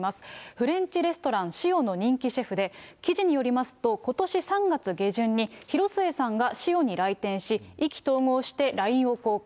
フレンチレストラン、シオの人気シェフで、記事によりますと、ことし３月下旬に、広末さんがシオに来店し、意気投合してＬＩＮＥを交換。